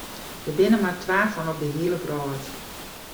Dêr binne der mar twa fan op de hiele wrâld.